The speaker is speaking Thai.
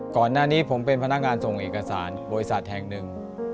ก่อนหน้านี้ผมเป็นพนักงานส่งเอกสารบริษัทแห่งหนึ่ง